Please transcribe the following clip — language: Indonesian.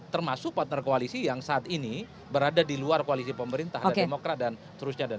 termasuk partner koalisi yang saat ini berada di luar koalisi pemerintah dan demokrat dan seterusnya